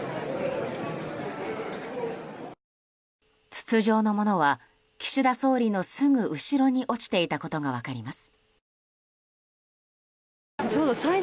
筒状のものは岸田総理のすぐ後ろに落ちていたことが分かります。